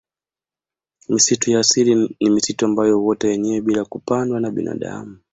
Misitu ya asili ni misitu ambayo huota yenyewe bila kupandwa na binadamu